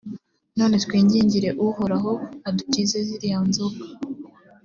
none twingingire uhoraho adukize ziriya nzoka.